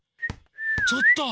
ちょっと！